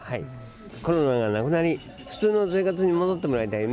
コロナがなくなり、普通の生活に戻ってもらいたいね。